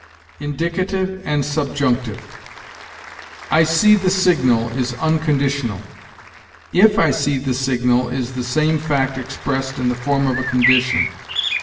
INDICATIVE AND SUBJUNCTIVE. "'I see the signal,' is unconditional; 'if I see the signal,' is the same fact expressed in the form of a condition.